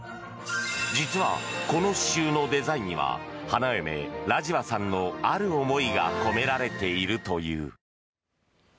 実はこの刺しゅうのデザインには花嫁ラジワさんのある思いが込められているという。